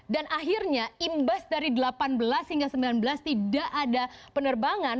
dan akhirnya imbas dari delapan belas hingga sembilan belas tidak ada penerbangan